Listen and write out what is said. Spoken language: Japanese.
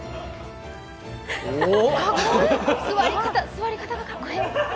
座り方がかっこいい。